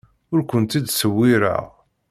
Ur kent-id-ttṣewwireɣ.